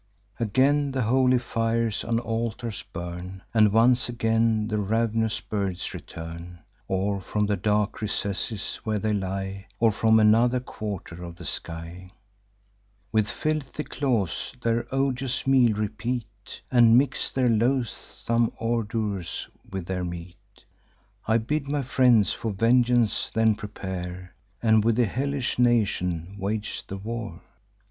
Again the holy fires on altars burn; And once again the rav'nous birds return, Or from the dark recesses where they lie, Or from another quarter of the sky; With filthy claws their odious meal repeat, And mix their loathsome ordures with their meat. I bid my friends for vengeance then prepare, And with the hellish nation wage the war.